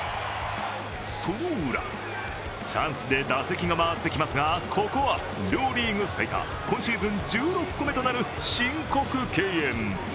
そのウラ、チャンスで打席が回ってきますが、ここは両リーグ最多、今シーズン１６個目となる申告敬遠。